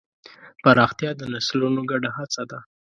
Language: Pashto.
پراختیا د نسلونو ګډه هڅه ده.